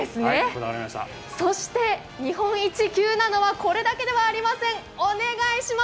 日本一級なのはこれだけではありません。